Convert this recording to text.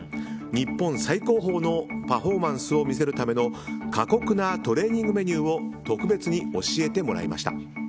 日本最高峰のパフォーマンスを見せるための過酷なトレーニングメニューを特別に教えてもらいました。